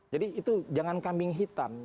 jadi itu jangan kambing hitam